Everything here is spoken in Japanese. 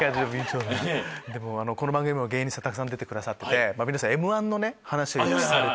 この番組芸人さん出てくださって皆さん『Ｍ−１』の話をされて。